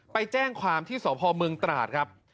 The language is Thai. ไปแจ้งความที่สมตราศครับ